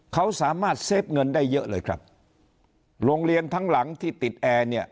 เขาสามารถเซฟเงินได้เยอะเลยครับโรงเรียนทั้งหลังที่ติดแอร์เนี่ย